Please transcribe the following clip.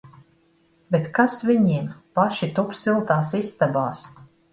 Bet kas viņiem! Paši tup siltās istabās!